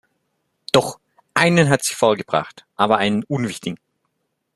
Doch einen hat sie vorgebracht, aber einen unwichtigen.